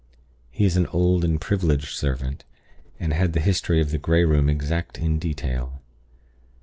He is an old and privileged servant, and had the history of the Grey Room exact in detail.